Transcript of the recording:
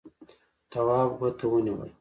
تواب ګوته ونيوله.